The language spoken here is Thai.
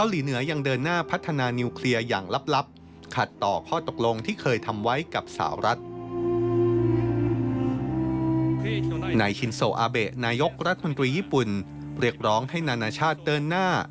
เรียกร้องให้นานาชาติเติ้ลหน้า